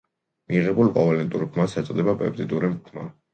მიღებულ კოვალენტურ ბმას ეწოდება პეპტიდური ბმა.